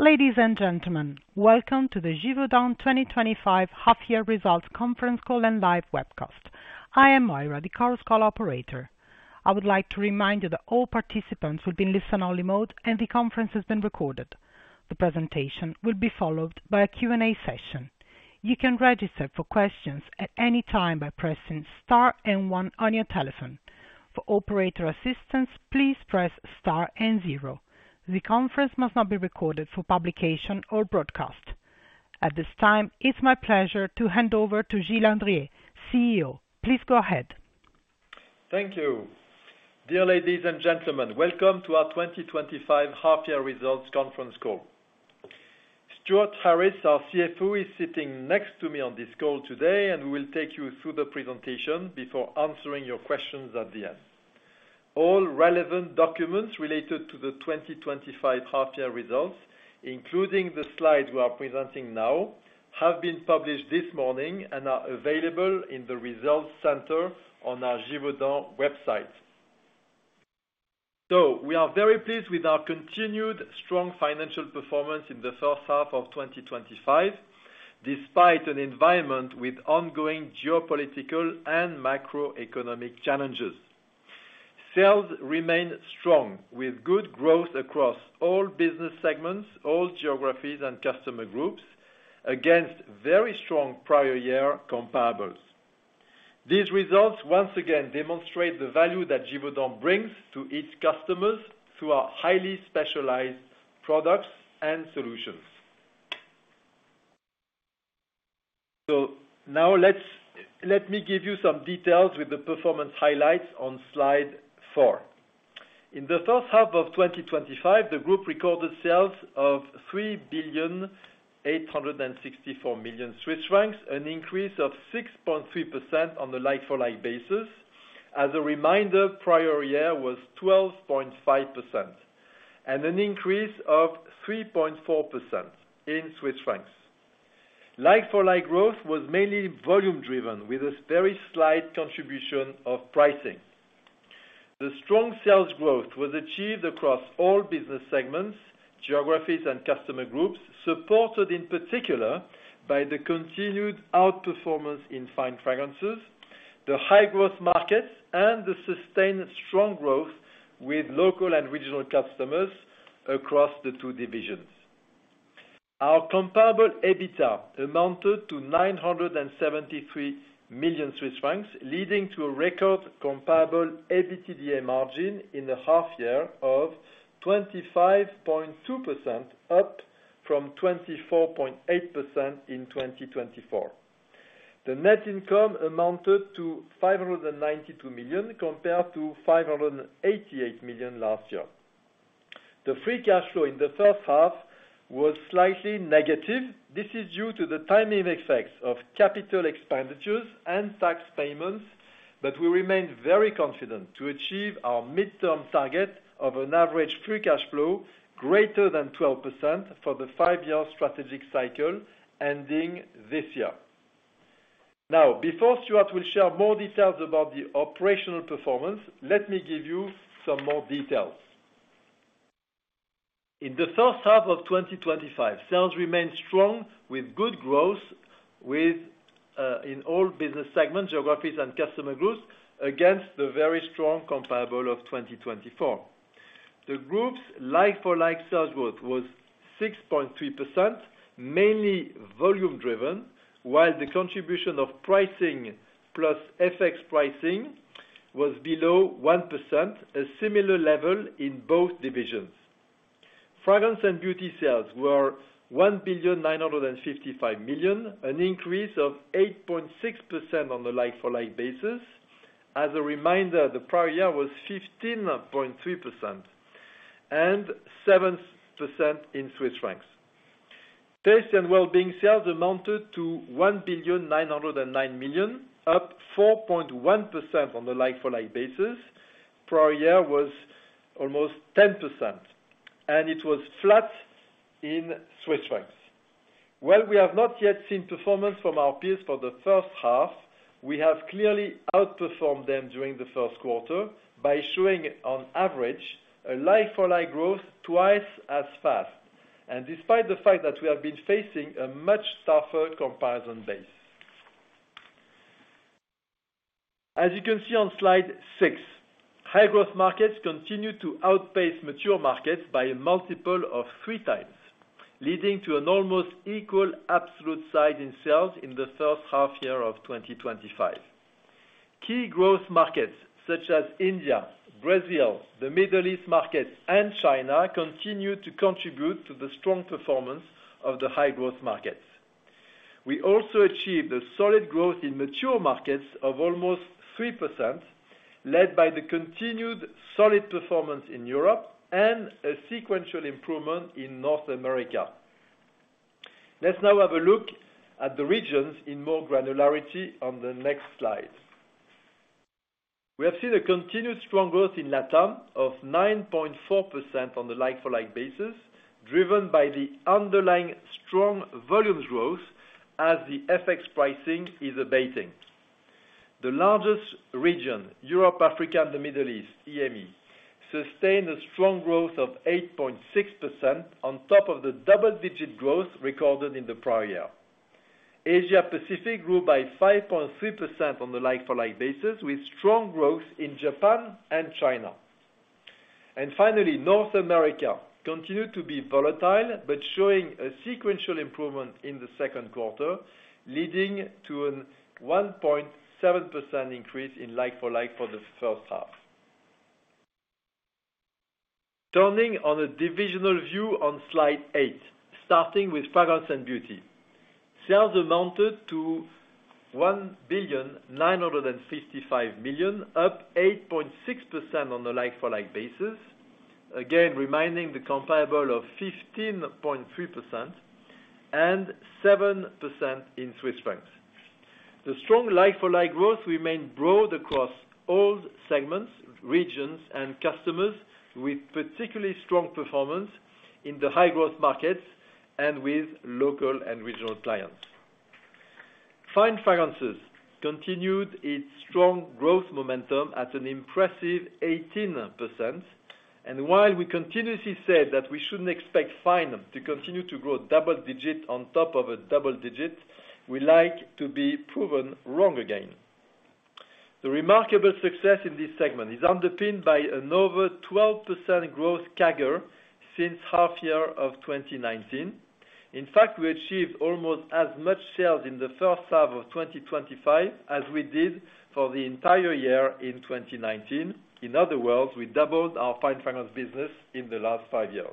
Ladies and gentlemen, welcome to the Givaudan 2025 Half-Year Results Conference Call and Live Webcast. I am Maira, the Chorus Call operator. I would like to remind you that all participants will be in listen-only mode and the conference is being recorded. The presentation will be followed by a Q&A session. You can register for questions at any time by pressing star and one on your telephone. For operator assistance, please press star and zero. The conference must not be recorded for publication or broadcast. At this time, it's my pleasure to hand over to Gilles Andrier, CEO. Please go ahead. Thank you. Dear ladies and gentlemen, welcome to our 2025 Half-Year Results Conference Call. Stewart Harris, our CFO, is sitting next to me on this call today, and we will take you through the presentation before answering your questions at the end. All relevant documents related to the 2025 Half-Year Results, including the slides we are presenting now, have been published this morning and are available in the Results Center on our Givaudan website. We are very pleased with our continued strong financial performance in the first half of 2025, despite an environment with ongoing geopolitical and macroeconomic challenges. Sales remain strong, with good growth across all business segments, all geographies, and customer groups, against very strong prior-year comparables. These results, once again, demonstrate the value that Givaudan brings to its customers through our highly specialized products and solutions. Now let me give you some details with the performance highlights on slide four. In the first half of 2025, the group recorded sales of 3.864 million Swiss francs, an increase of 6.3% on a like-for-like basis. As a reminder, prior year was 12.5%. There was an increase of 3.4% in Swiss francs. Like-for-like growth was mainly volume-driven, with a very slight contribution of pricing. The strong sales growth was achieved across all business segments, geographies, and customer groups, supported in particular by the continued outperformance in fine fragrances, the high-growth markets, and the sustained strong growth with local and regional customers across the two divisions. Our comparable EBITDA amounted to 973 million Swiss francs, leading to a record comparable EBITDA margin in the half-year of 25.2%, up from 24.8% in 2024. The net income amounted to 592 million, compared to 588 million last year. The free cash flow in the first half was slightly negative. This is due to the timing effects of capital expenditures and tax payments, but we remain very confident to achieve our midterm target of an average free cash flow greater than 12% for the five-year strategic cycle ending this year. Before Stewart will share more details about the operational performance, let me give you some more details. In the first half of 2025, sales remained strong, with good growth in all business segments, geographies, and customer groups, against the very strong comparable of 2024. The group's like-for-like sales growth was 6.3%, mainly volume-driven, while the contribution of pricing plus FX pricing was below 1%, a similar level in both divisions. Fragrance and Beauty sales were 1.955 million, an increase of 8.6% on a like-for-like basis. As a reminder, the prior year was 15.3%, and 7% in Swiss francs. Taste & Wellbeing sales amounted to 1.909 million, up 4.1% on a like-for-like basis. Prior year was almost 10%, and it was flat in Swiss francs. While we have not yet seen performance from our peers for the first half, we have clearly outperformed them during the first quarter by showing, on average, a like-for-like growth twice as fast, and despite the fact that we have been facing a much tougher comparison base. As you can see on slide six, high-growth markets continue to outpace mature markets by a multiple of three times, leading to an almost equal absolute size in sales in the first half-year of 2025. Key growth markets such as India, Brazil, the Middle East markets, and China continue to contribute to the strong performance of the high-growth markets. We also achieved a solid growth in mature markets of almost 3%. Led by the continued solid performance in Europe and a sequential improvement in North America. Let's now have a look at the regions in more granularity on the next slide. We have seen a continued strong growth in LATAM of 9.4% on a like-for-like basis, driven by the underlying strong volume growth as the FX pricing is abating. The largest region, Europe, Africa, and the Middle East, EME, sustained a strong growth of 8.6% on top of the double-digit growth recorded in the prior year. Asia-Pacific grew by 5.3% on a like-for-like basis, with strong growth in Japan and China. Finally, North America continued to be volatile but showing a sequential improvement in the second quarter, leading to a 1.7% increase in like-for-like for the first half. Turning on a divisional view on slide eight, starting with fragrance and beauty. Sales amounted to 1.955 million, up 8.6% on a like-for-like basis, again reminding the comparable of 15.3%. And 7% in Swiss francs. The strong like-for-like growth remained broad across all segments, regions, and customers, with particularly strong performance in the high-growth markets and with local and regional clients. Fine fragrances continued its strong growth momentum at an impressive 18%. While we continuously said that we should not expect fine to continue to grow double-digit on top of a double-digit, we like to be proven wrong again. The remarkable success in this segment is underpinned by an over 12% growth CAGR since half-year of 2019. In fact, we achieved almost as much sales in the first half of 2025 as we did for the entire year in 2019. In other words, we doubled our fine fragrance business in the last five years.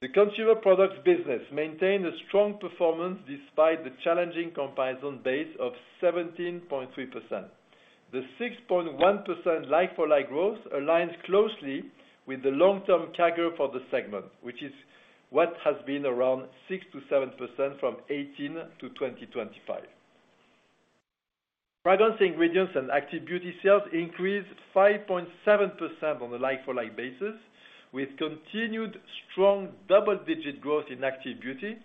The consumer products business maintained a strong performance despite the challenging comparison base of 17.3%. The 6.1% like-for-like growth aligns closely with the long-term CAGR for the segment, which is what has been around 6% to 7% from 2018 to 2025. Fragrance ingredients and active beauty sales increased 5.7% on a like-for-like basis, with continued strong double-digit growth in active beauty,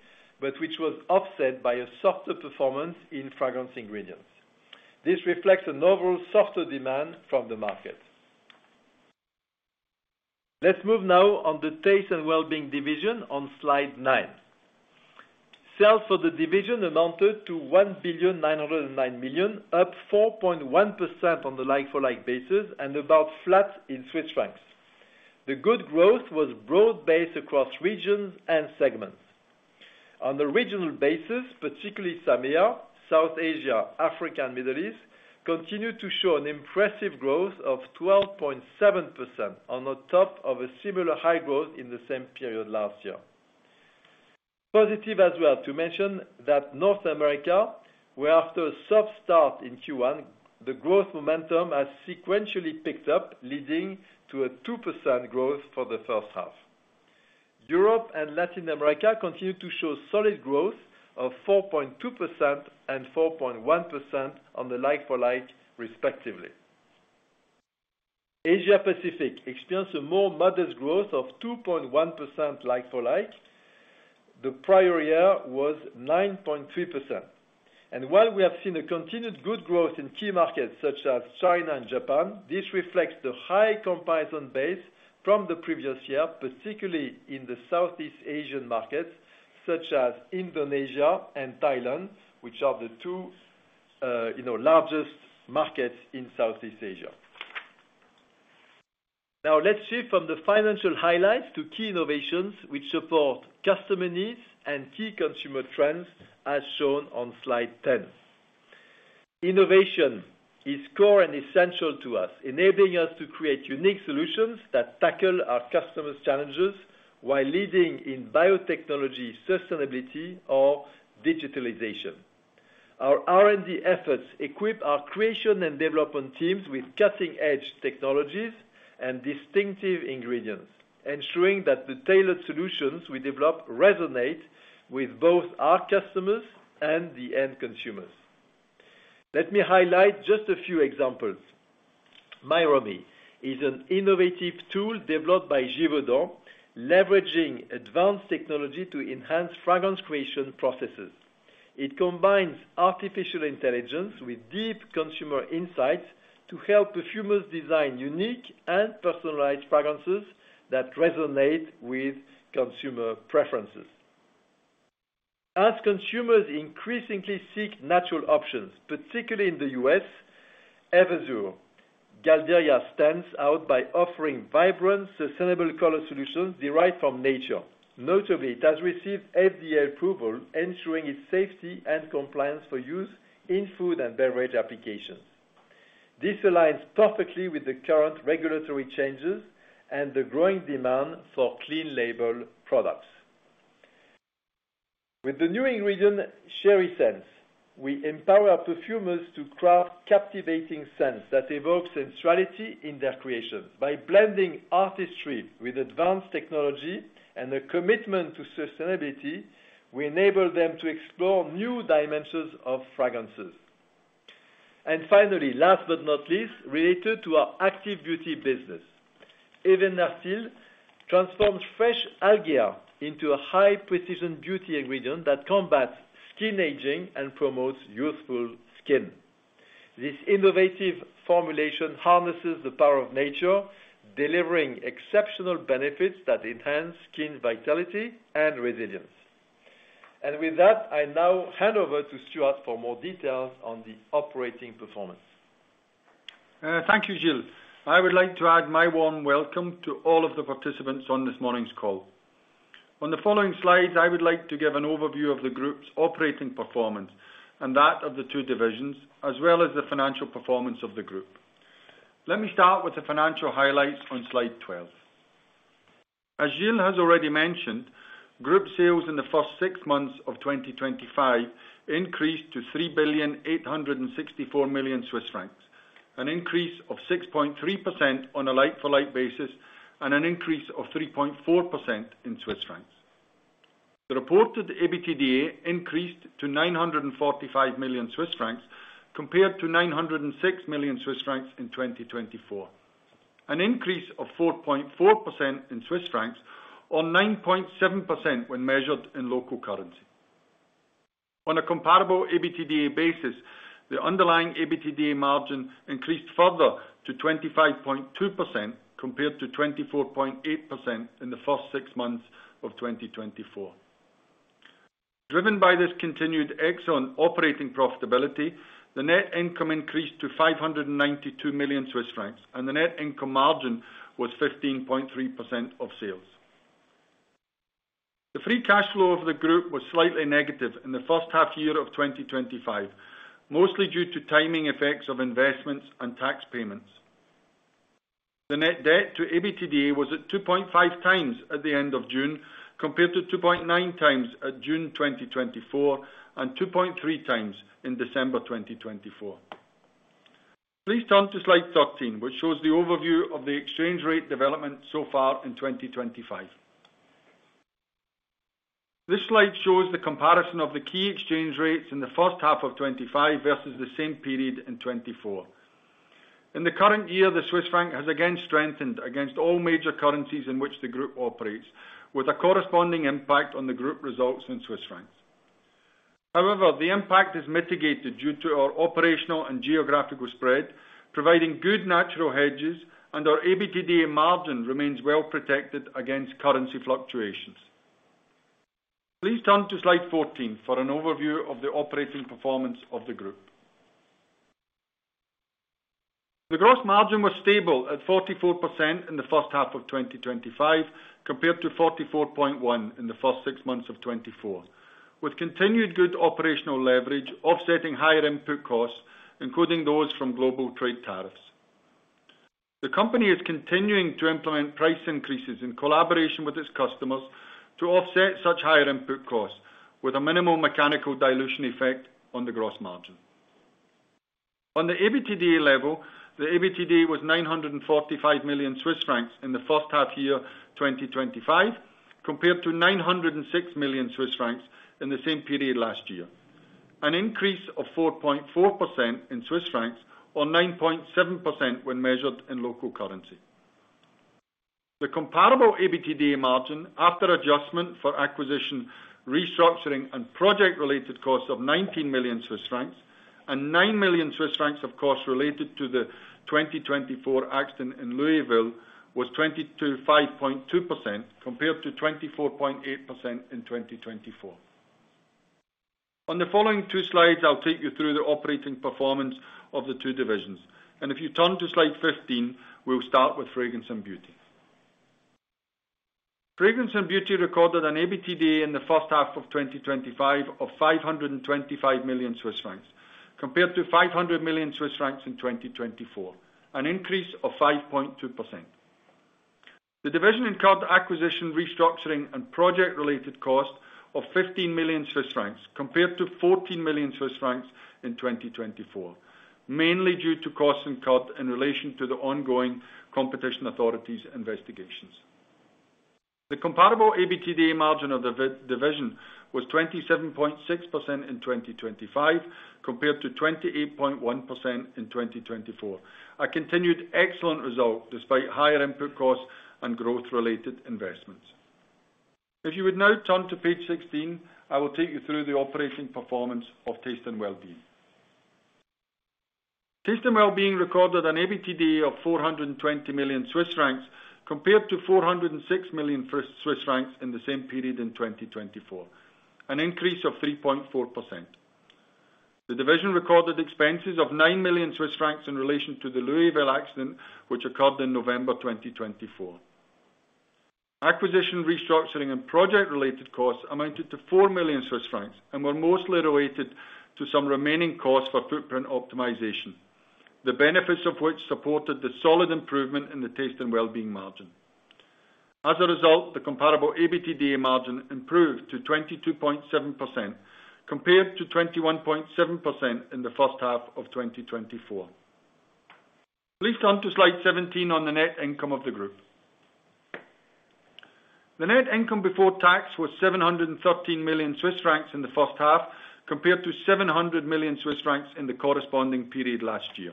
but which was offset by a softer performance in fragrance ingredients. This reflects an overall softer demand from the market. Let's move now on the Taste & Wellbeing division on slide nine. Sales for the division amounted to 1.909 million, up 4.1% on a like-for-like basis and about flat in Swiss francs. The good growth was broad-based across regions and segments. On a regional basis, particularly SAMEA, South Asia, Africa, and Middle East continued to show an impressive growth of 12.7% on the top of a similar high growth in the same period last year. Positive as well to mention that North America, where after a soft start in Q1, the growth momentum has sequentially picked up, leading to a 2% growth for the first half. Europe and Latin America continued to show solid growth of 4.2% and 4.1% on a like-for-like, respectively. Asia-Pacific experienced a more modest growth of 2.1% like-for-like. The prior year was 9.3%. While we have seen a continued good growth in key markets such as China and Japan, this reflects the high comparison base from the previous year, particularly in the Southeast Asian markets such as Indonesia and Thailand, which are the two largest markets in Southeast Asia. Now, let's shift from the financial highlights to key innovations which support customer needs and key consumer trends, as shown on slide ten. Innovation is core and essential to us, enabling us to create unique solutions that tackle our customers' challenges while leading in biotechnology, sustainability, or digitalization. Our R&D efforts equip our creation and development teams with cutting-edge technologies and distinctive ingredients, ensuring that the tailored solutions we develop resonate with both our customers and the end consumers. Let me highlight just a few examples. Myromi is an innovative tool developed by Givaudan, leveraging advanced technology to enhance fragrance creation processes. It combines artificial intelligence with deep consumer insights to help perfumers design unique and personalized fragrances that resonate with consumer preferences. As consumers increasingly seek natural options, particularly in the U.S., Everzure Galdieria stands out by offering vibrant, sustainable color solutions derived from nature. Notably, it has received FDA approval, ensuring its safety and compliance for use in food and beverage applications. This aligns perfectly with the current regulatory changes and the growing demand for clean-label products. With the new ingredient, CheriScentz, we empower perfumers to craft captivating scents that evoke sensuality in their creations. By blending artistry with advanced technology and a commitment to sustainability, we enable them to explore new dimensions of fragrances. Last but not least, related to our active beauty business, Evernityl transforms fresh algae into a high-precision beauty ingredient that combats skin aging and promotes youthful skin. This innovative formulation harnesses the power of nature, delivering exceptional benefits that enhance skin vitality and resilience. With that, I now hand over to Stewart for more details on the operating performance. Thank you, Gilles. I would like to add my warm welcome to all of the participants on this morning's call. On the following slides, I would like to give an overview of the group's operating performance and that of the two divisions, as well as the financial performance of the group. Let me start with the financial highlights on slide 12. As Gilles has already mentioned, group sales in the first six months of 2025 increased to 3.864 million Swiss francs, an increase of 6.3% on a like-for-like basis, and an increase of 3.4% in Swiss francs. The reported EBITDA increased to 945 million Swiss francs, compared to 906 million Swiss francs in 2024, an increase of 4.4% in Swiss francs or 9.7% when measured in local currency. On a comparable EBITDA basis, the underlying EBITDA margin increased further to 25.2% compared to 24.8% in the first six months of 2024. Driven by this continued excellent operating profitability, the net income increased to 592 million Swiss francs, and the net income margin was 15.3% of sales. The free cash flow of the group was slightly negative in the first half-year of 2025, mostly due to timing effects of investments and tax payments. The net debt to EBITDA was at 2.5x at the end of June, compared to 2.9x at June 2024 and 2.3x in December 2024. Please turn to slide 13, which shows the overview of the exchange rate development so far in 2025. This slide shows the comparison of the key exchange rates in the first half of 2025 versus the same period in 2024. In the current year, the Swiss franc has again strengthened against all major currencies in which the group operates, with a corresponding impact on the group results in Swiss franc. However, the impact is mitigated due to our operational and geographical spread, providing good natural hedges, and our EBITDA margin remains well protected against currency fluctuations. Please turn to slide 14 for an overview of the operating performance of the group. The gross margin was stable at 44% in the first half of 2025, compared to 44.1% in the first six months of 2024, with continued good operational leverage offsetting higher input costs, including those from global trade tariffs. The company is continuing to implement price increases in collaboration with its customers to offset such higher input costs, with a minimal mechanical dilution effect on the gross margin. On the EBITDA level, the EBITDA was 945 million Swiss francs in the first half-year 2025, compared to 906 million Swiss francs in the same period last year, an increase of 4.4% in Swiss francs or 9.7% when measured in local currency. The comparable EBITDA margin after adjustment for acquisition, restructuring, and project-related costs of 19 million Swiss francs and 9 million Swiss francs of costs related to the 2024 accident in Louisville was 25.2% compared to 24.8% in 2024. On the following two slides, I'll take you through the operating performance of the two divisions. If you turn to slide 15, we'll start with fragrance and beauty. Fragrance and beauty recorded an EBITDA in the first half of 2025 of 525 million Swiss francs, compared to 500 million Swiss francs in 2024, an increase of 5.2%. The division incurred acquisition, restructuring, and project-related costs of 15 million Swiss francs, compared to 14 million Swiss francs in 2024, mainly due to costs incurred in relation to the ongoing competition authorities' investigations. The comparable EBITDA margin of the division was 27.6% in 2025, compared to 28.1% in 2024, a continued excellent result despite higher input costs and growth-related investments. If you would now turn to page 16, I will take you through the operating performance of Taste & Wellbeing. Taste & Wellbeing recorded an EBITDA of 420 million Swiss francs, compared to 406 million Swiss francs in the same period in 2024, an increase of 3.4%. The division recorded expenses of 9 million Swiss francs in relation to the Louisville accident, which occurred in November 2024. Acquisition, restructuring, and project-related costs amounted to 4 million Swiss francs and were mostly related to some remaining costs for footprint optimization, the benefits of which supported the solid improvement in the Taste & Wellbeing margin. As a result, the comparable EBITDA margin improved to 22.7% compared to 21.7% in the first half of 2024. Please turn to slide 17 on the net income of the group. The net income before tax was 713 million Swiss francs in the first half, compared to 700 million Swiss francs in the corresponding period last year.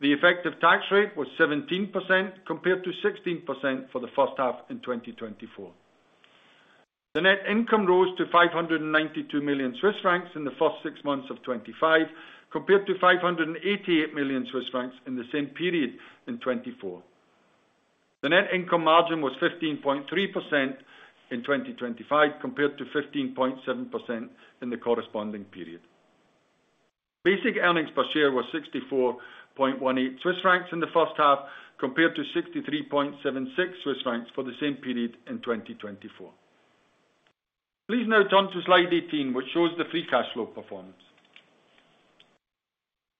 The effective tax rate was 17% compared to 16% for the first half in 2024. The net income rose to 592 million Swiss francs in the first six months of 2025, compared to 588 million Swiss francs in the same period in 2024. The net income margin was 15.3% in 2025, compared to 15.7% in the corresponding period. Basic earnings per share was 64.18 Swiss francs in the first half, compared to 63.76 Swiss francs for the same period in 2024. Please now turn to slide 18, which shows the free cash flow performance.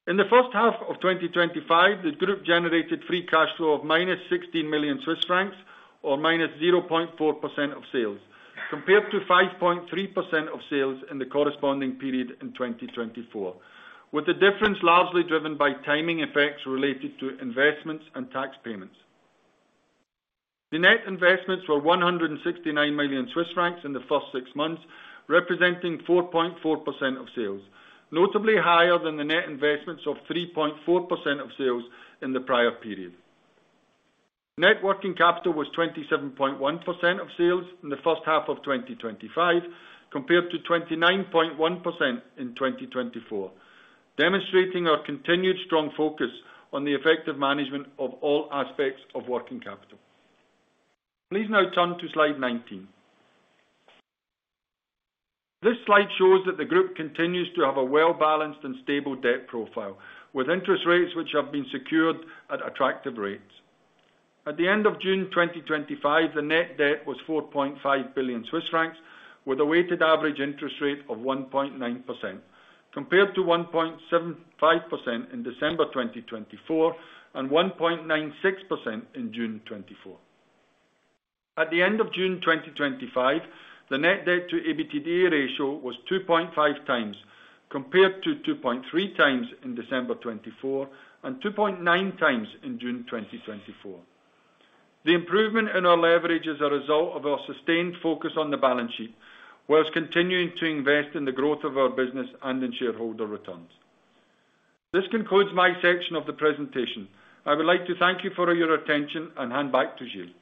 In the first half of 2025, the group generated free cash flow of minus 16 million Swiss francs, or minus 0.4% of sales, compared to 5.3% of sales in the corresponding period in 2024, with the difference largely driven by timing effects related to investments and tax payments. The net investments were 169 million Swiss francs in the first six months, representing 4.4% of sales, notably higher than the net investments of 3.4% of sales in the prior period. Net working capital was 27.1% of sales in the first half of 2025, compared to 29.1% in 2024, demonstrating our continued strong focus on the effective management of all aspects of working capital. Please now turn to slide 19. This slide shows that the group continues to have a well-balanced and stable debt profile, with interest rates which have been secured at attractive rates. At the end of June 2025, the net debt was 4.5 billion Swiss francs, with a weighted average interest rate of 1.9%, compared to 1.75% in December 2024 and 1.96% in June 2024. At the end of June 2025, the net debt to EBITDA ratio was 2.5x, compared to 2.3x in December 2024 and 2.9x in June 2024. The improvement in our leverage is a result of our sustained focus on the balance sheet, whereas continuing to invest in the growth of our business and in shareholder returns. This concludes my section of the presentation. I would like to thank you for your attention and hand back to Gilles.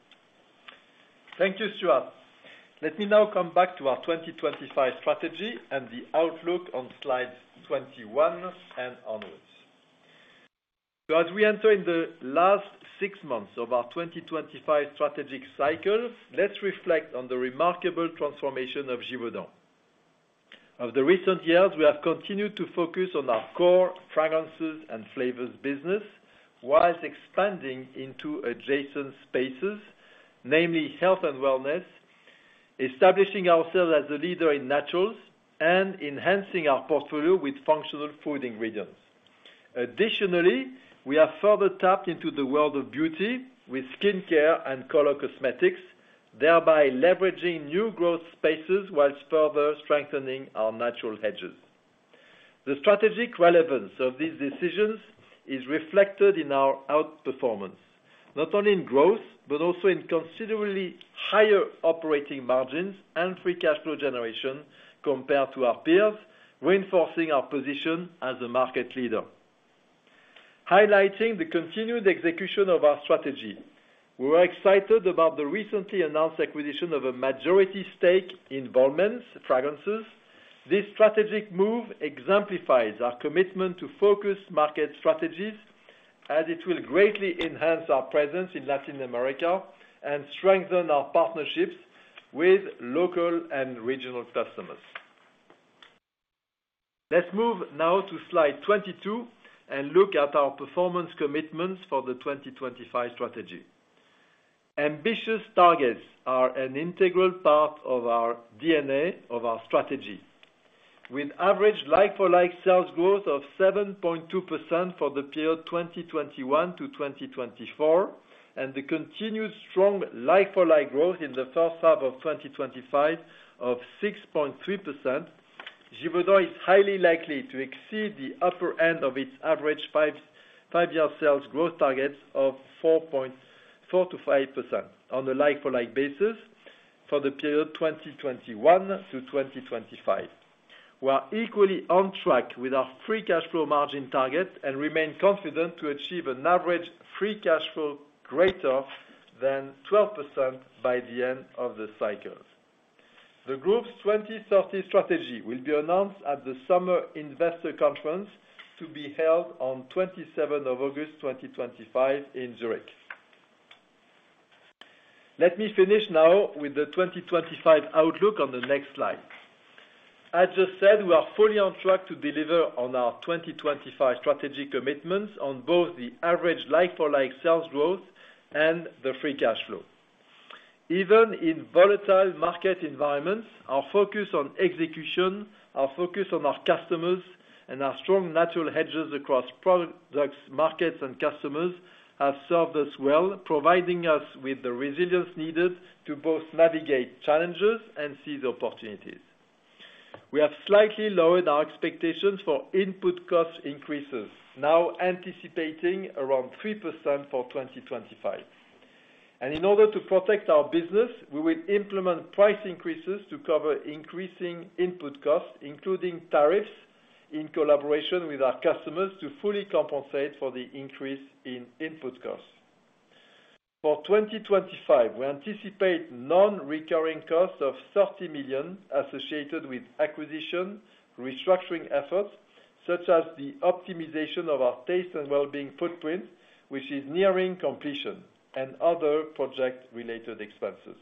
Thank you, Stewart. Let me now come back to our 2025 strategy and the outlook on slides 21 and onwards. As we enter in the last six months of our 2025 strategic cycle, let's reflect on the remarkable transformation of Givaudan. Over the recent years, we have continued to focus on our core fragrances and flavors business. While expanding into adjacent spaces, namely health and wellness. Establishing ourselves as a leader in naturals, and enhancing our portfolio with functional food ingredients. Additionally, we have further tapped into the world of beauty with skincare and color cosmetics, thereby leveraging new growth spaces whilst further strengthening our natural hedges. The strategic relevance of these decisions is reflected in our outperformance, not only in growth, but also in considerably higher operating margins and free cash flow generation compared to our peers, reinforcing our position as a market leader. Highlighting the continued execution of our strategy, we were excited about the recently announced acquisition of a majority stake in Vollmens Fragrances. This strategic move exemplifies our commitment to focused market strategies, as it will greatly enhance our presence in Latin America and strengthen our partnerships with local and regional customers. Let's move now to slide 22 and look at our performance commitments for the 2025 strategy. Ambitious targets are an integral part of our DNA, of our strategy, with average like-for-like sales growth of 7.2% for the period 2021 to 2024, and the continued strong like-for-like growth in the first half of 2025 of 6.3%. Givaudan is highly likely to exceed the upper end of its average five-year sales growth targets of 4.4%-5% on a like-for-like basis for the period 2021 to 2025. We are equally on track with our free cash flow margin target and remain confident to achieve an average free cash flow greater than 12% by the end of the cycle. The group's 2030 strategy will be announced at the Summer Investor Conference to be held on 27 August 2025 in Zurich. Let me finish now with the 2025 outlook on the next slide. As just said, we are fully on track to deliver on our 2025 strategic commitments on both the average like-for-like sales growth and the free cash flow. Even in volatile market environments, our focus on execution, our focus on our customers, and our strong natural hedges across products, markets, and customers have served us well, providing us with the resilience needed to both navigate challenges and seize opportunities. We have slightly lowered our expectations for input cost increases, now anticipating around 3% for 2025. In order to protect our business, we will implement price increases to cover increasing input costs, including tariffs, in collaboration with our customers to fully compensate for the increase in input costs. For 2025, we anticipate non-recurring costs of 30 million associated with acquisition, restructuring efforts, such as the optimization of our Taste & Wellbeing footprint, which is nearing completion, and other project-related expenses.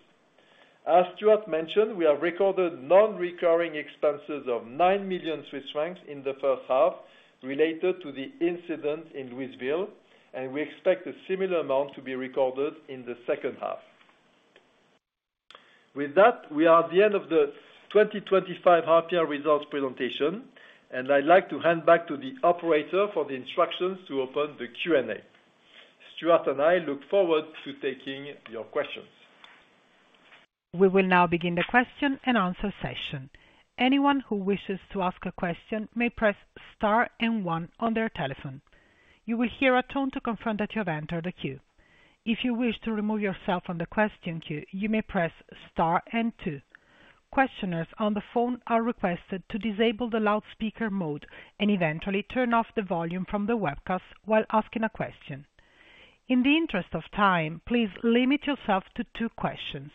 As Stewart mentioned, we have recorded non-recurring expenses of 9 million Swiss francs in the first half related to the incident in Louisville, and we expect a similar amount to be recorded in the second half. With that, we are at the end of the 2025 half-year results presentation, and I'd like to hand back to the operator for the instructions to open the Q&A. Stewart and I look forward to taking your questions. We will now begin the question and answer session. Anyone who wishes to ask a question may press star and one on their telephone. You will hear a tone to confirm that you have entered the queue. If you wish to remove yourself from the question queue, you may press star and two. Questioners on the phone are requested to disable the loudspeaker mode and eventually turn off the volume from the webcast while asking a question. In the interest of time, please limit yourself to two questions.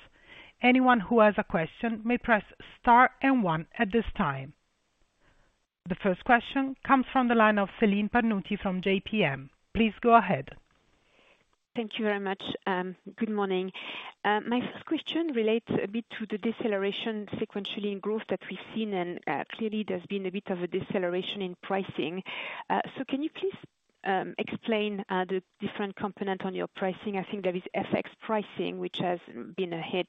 Anyone who has a question may press star and one at this time. The first question comes from the line of Celine Pannuti from JPM. Please go ahead. Thank you very much. Good morning. My first question relates a bit to the deceleration sequentially in growth that we've seen, and clearly there's been a bit of a deceleration in pricing. Can you please explain the different components on your pricing? I think there is FX pricing, which has been a hit,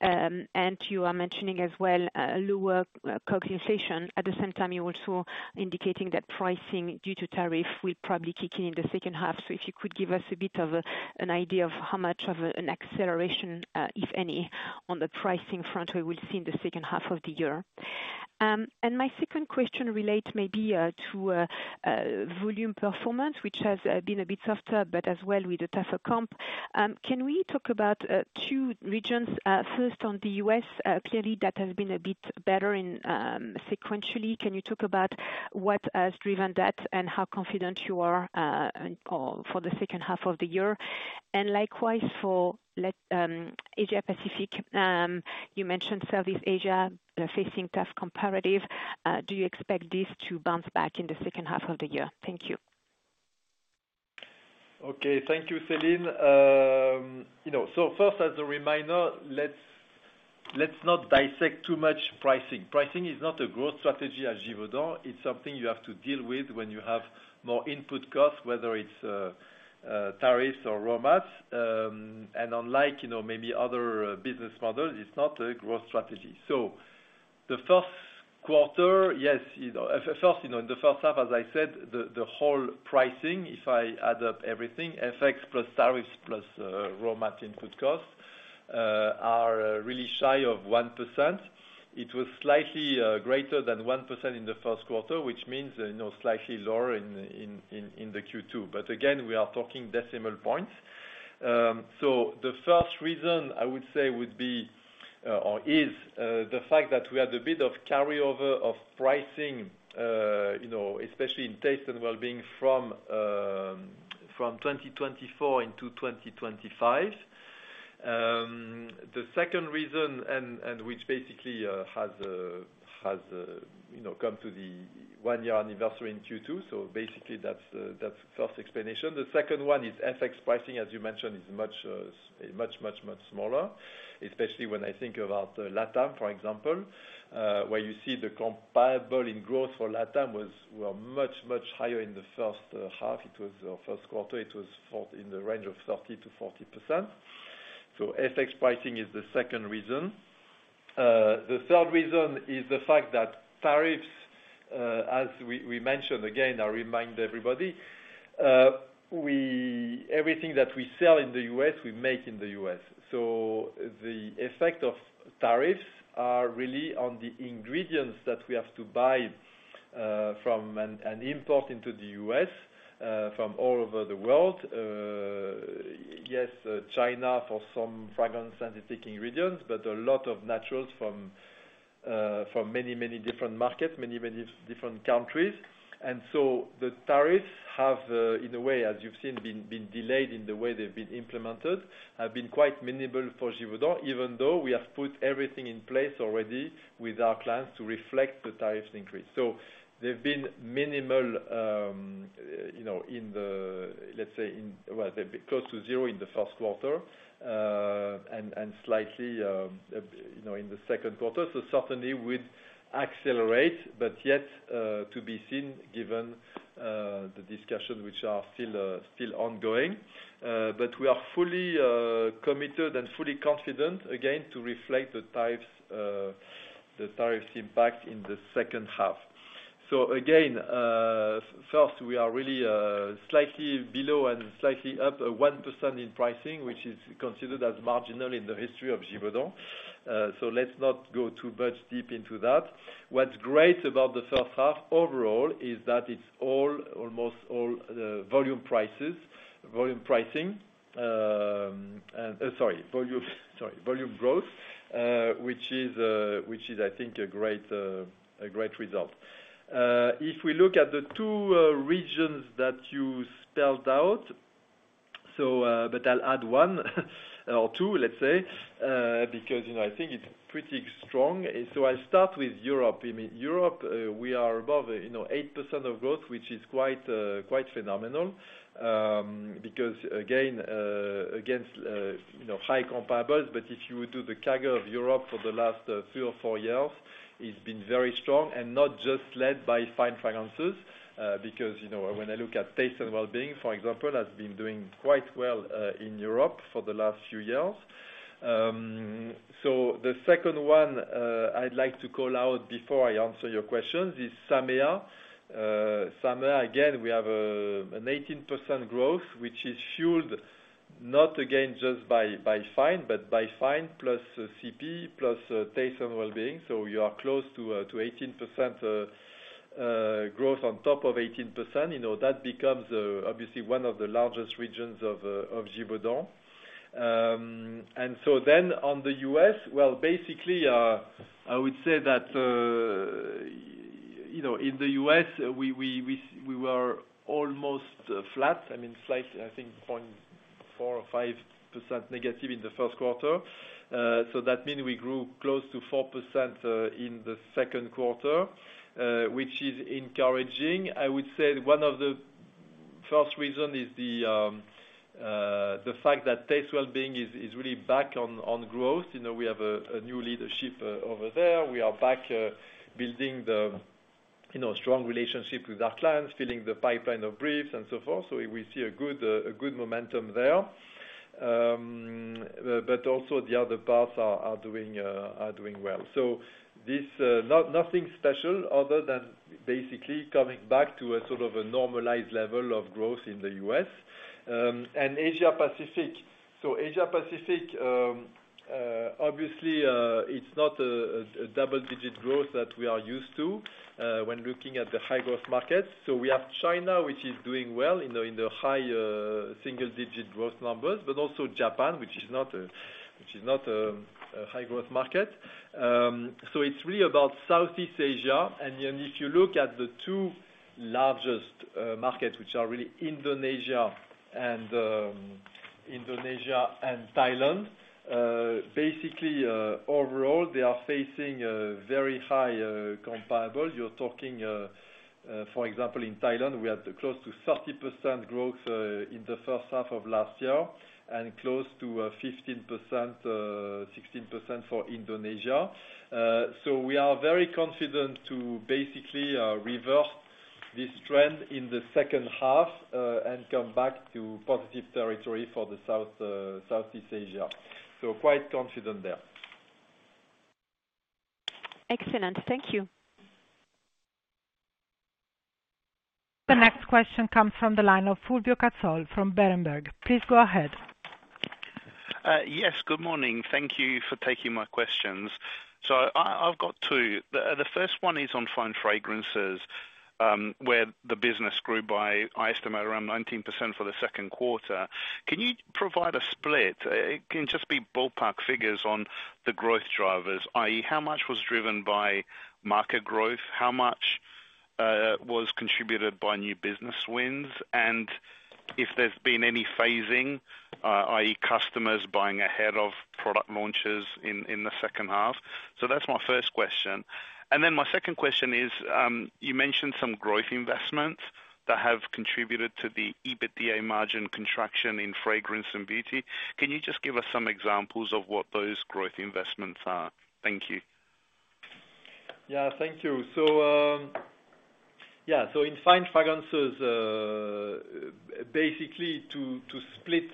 and you are mentioning as well lower COGS inflation. At the same time, you're also indicating that pricing due to tariffs will probably kick in in the second half. If you could give us a bit of an idea of how much of an acceleration, if any, on the pricing front we will see in the second half of the year. My second question relates maybe to volume performance, which has been a bit softer, but as well with a tougher comp. Can we talk about two regions? First, on the U.S., clearly that has been a bit better sequentially. Can you talk about what has driven that and how confident you are for the second half of the year? Likewise for Asia-Pacific. You mentioned Southeast Asia facing tough competitive. Do you expect this to bounce back in the second half of the year? Thank you. Okay, thank you, Celine. So first, as a reminder, let's not dissect too much pricing. Pricing is not a growth strategy at Givaudan. It's something you have to deal with when you have more input costs, whether it's tariffs or roadmaps. Unlike maybe other business models, it's not a growth strategy. The first quarter, yes, first, in the first half, as I said, the whole pricing, if I add up everything, FX plus tariffs plus roadmap input costs, are really shy of 1%. It was slightly greater than 1% in the first quarter, which means slightly lower in Q2. Again, we are talking decimal points. The first reason I would say is the fact that we had a bit of carryover of pricing, especially in Taste & Wellbeing from 2024 into 2025. The second reason, which basically has come to the one-year anniversary in Q2, so basically that's the first explanation. The second one is FX pricing, as you mentioned, is much, much, much, much smaller, especially when I think about LATAM, for example, where you see the comparable in growth for LATAM were much, much higher in the first half. It was our first quarter. It was in the range of 30%-40%. FX pricing is the second reason. The third reason is the fact that tariffs, as we mentioned again, I remind everybody, everything that we sell in the U.S., we make in the U.S. The effect of tariffs are really on the ingredients that we have to buy from and import into the U.S. from all over the world. Yes, China for some fragrance and antique ingredients, but a lot of naturals from many, many different markets, many, many different countries. The tariffs have, in a way, as you've seen, been delayed in the way they've been implemented, have been quite minimal for Givaudan, even though we have put everything in place already with our clients to reflect the tariffs increase. They've been minimal, let's say, well, they've been close to zero in the first quarter and slightly in the second quarter. Certainly, we'd accelerate, but yet to be seen given the discussions which are still ongoing. We are fully committed and fully confident, again, to reflect the tariffs impact in the second half. Again, first, we are really slightly below and slightly up 1% in pricing, which is considered as marginal in the history of Givaudan. Let's not go too much deep into that. What's great about the first half overall is that it's almost all volume growth, which is, I think, a great result. If we look at the two regions that you spelled out, I'll add one or two, let's say, because I think it's pretty strong. I'll start with Europe. In Europe, we are above 8% of growth, which is quite phenomenal, because, again, against high comparables. If you would do the CAGR of Europe for the last three or four years, it's been very strong and not just led by fine fragrances, because when I look at Taste & Wellbeing, for example, has been doing quite well in Europe for the last few years. The second one I'd like to call out before I answer your questions is SAMEA. SAMEA, again, we have an 18% growth, which is fueled not again just by fine, but by fine plus CP plus Taste & Wellbeing. You are close to 18% growth on top of 18%. That becomes obviously one of the largest regions of Givaudan. On the U.S., I would say that in the U.S., we were almost flat. I mean, slightly, I think, 0.4%-0.5% negative in the first quarter. That means we grew close to 4% in the second quarter, which is encouraging. I would say one of the first reasons is the fact that Taste Wellbeing is really back on growth. We have a new leadership over there. We are back building the strong relationship with our clients, filling the pipeline of briefs and so forth. We see a good momentum there. Also the other parts are doing well. Nothing special other than basically coming back to a sort of a normalized level of growth in the U.S. Asia-Pacific. Asia-Pacific, obviously, it's not a double-digit growth that we are used to when looking at the high-growth markets. We have China, which is doing well in the high single-digit growth numbers, but also Japan, which is not a high-growth market. It's really about Southeast Asia. If you look at the two largest markets, which are really Indonesia and Thailand, basically, overall, they are facing very high comparable. You're talking, for example, in Thailand, we had close to 30% growth in the first half of last year and close to 15%, 16% for Indonesia. We are very confident to basically reverse this trend in the second half and come back to positive territory for Southeast Asia. Quite confident there. Thank you. The next question comes from the line of Fulvio Cazzol from Berenberg. Please go ahead. Yes, good morning. Thank you for taking my questions. I've got two. The first one is on fine fragrances, where the business grew by, I estimate, around 19% for the second quarter. Can you provide a split? It can just be ballp`ark figures on the growth drivers, i.e., how much was driven by market growth, how much was contributed by new business wins, and if there's been any phasing, i.e., customers buying ahead of product launches in the second half. That's my first question. And then my second question is, you mentioned some growth investments that have contributed to the EBITDA margin contraction in fragrance and beauty. Can you just give us some examples of what those growth investments are? Thank you. Yeah, thank you. So. Yeah, so in fine fragrances. Basically, to split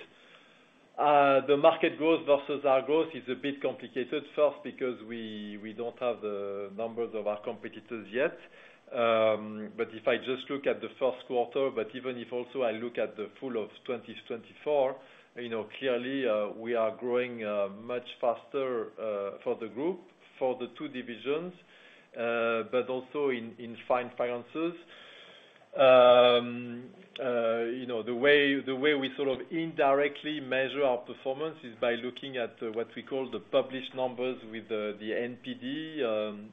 the market growth versus our growth is a bit complicated. First, because we do not have the numbers of our competitors yet. If I just look at the first quarter, but even if also I look at the full of 2024, clearly we are growing much faster for the group, for the two divisions. Also in fine fragrances, the way we sort of indirectly measure our performance is by looking at what we call the published numbers with the NPD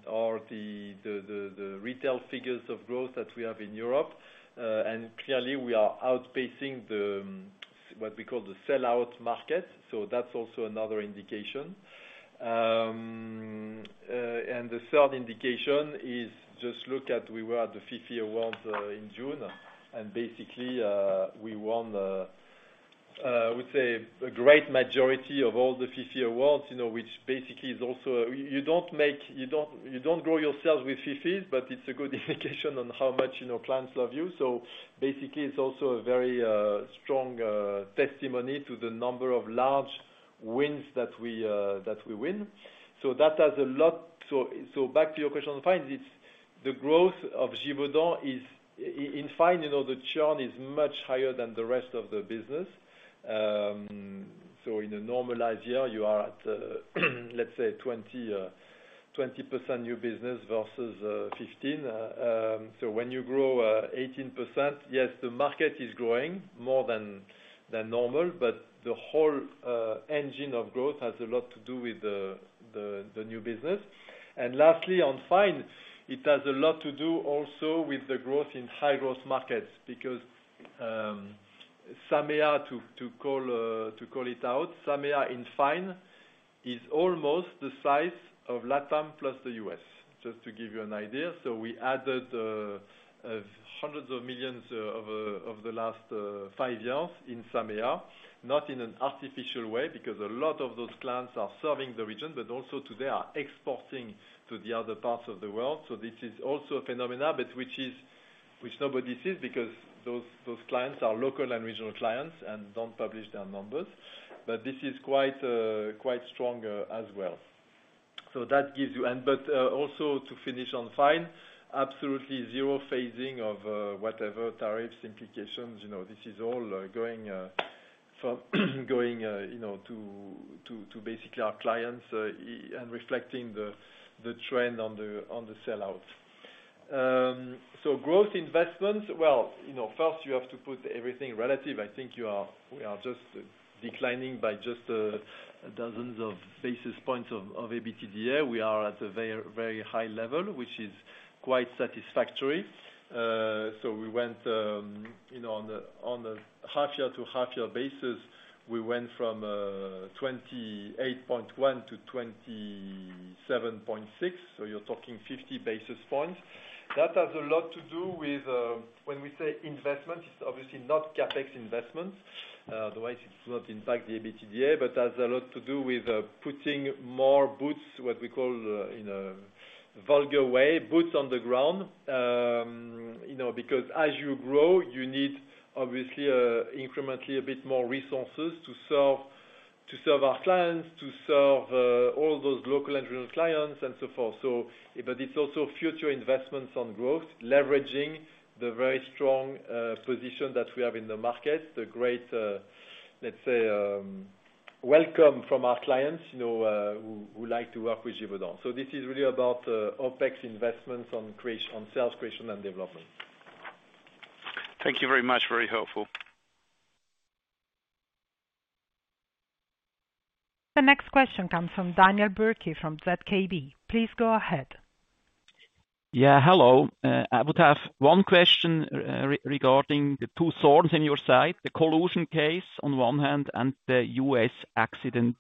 or the retail figures of growth that we have in Europe. Clearly, we are outpacing what we call the sell-out market. That is also another indication. The third indication is just look at we were at the FIFI Awards in June, and basically, we won, I would say, a great majority of all the FIFI Awards, which basically is also you do not grow your sales with FIFI, but it is a good indication on how much clients love you. It is also a very strong testimony to the number of large wins that we win. That has a lot. Back to your question on fines, it is the growth of Givaudan is in fine, the churn is much higher than the rest of the business. In a normalized year, you are at, let's say, 20% new business versus 15%. When you grow 18%, yes, the market is growing more than normal, but the whole engine of growth has a lot to do with the new business. Lastly, on fine, it has a lot to do also with the growth in high-growth markets because SAMEA, to call it out, SAMEA in fine is almost the size of LATAM plus the U.S., just to give you an idea. We added hundreds of millions over the last five years in SAMEA, not in an artificial way because a lot of those clients are serving the region, but also today are exporting to the other parts of the world. This is also a phenomenon, but which nobody sees because those clients are local and regional clients and do not publish their numbers. This is quite strong as well. That gives you, and also to finish on fine, absolutely zero phasing of whatever tariffs implications. This is all going to basically our clients and reflecting the trend on the sell-outs. Growth investments, first, you have to put everything relative. I think we are just declining by just dozens of basis points of EBITDA. We are at a very high level, which is quite satisfactory. We went on a half-year to half-year basis, we went from 28.1 to 27.6. So you're talking 50 basis points. That has a lot to do with when we say investment, it's obviously not CapEx investments. Otherwise, it would not impact the EBITDA, but has a lot to do with putting more boots, what we call, in a vulgar way, boots on the ground. Because as you grow, you need obviously incrementally a bit more resources to serve our clients, to serve all those local and regional clients, and so forth. It is also future investments on growth, leveraging the very strong position that we have in the market, the great, let's say, welcome from our clients who like to work with Givaudan. This is really about OpEx investments on sales creation and development. Thank you very much. Very helpful. The next question comes from Daniel Bürki from ZKB. Please go ahead. Yeah, hello. I would have one question regarding the two swords in your side, the collusion case on one hand and the U.S. accident